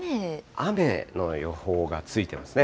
雨の予報がついてますね。